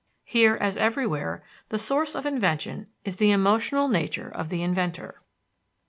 Here, as everywhere, the source of invention is the emotional nature of the inventor.